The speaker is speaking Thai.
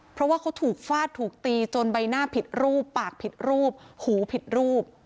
เพราะว่าเขาถูกฟาดถูกตีจนใบหน้าผิดรูปปากผิดรูปหูผิดรูป